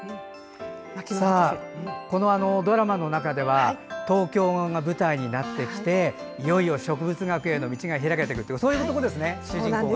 ドラマの中では東京が舞台になってきていよいよ植物学への道が開けていくというところですね。